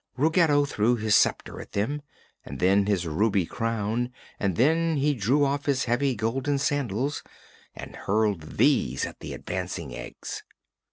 Ruggedo threw his sceptre at them, and then his ruby crown, and then he drew off his heavy golden sandals and hurled these at the advancing eggs.